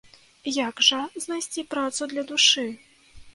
Як жа знайсці працу для душы?